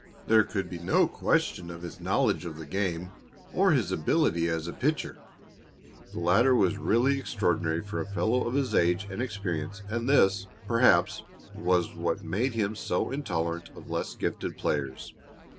There could be no question of his knowledge of the game or his ability as a pitcher. The latter was really extraordinary for a fellow of his age and experience, and this, perhaps, was what made him so intolerant of less gifted players.